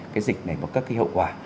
cái dịch này có các cái hậu quả